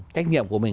trách nhiệm của mình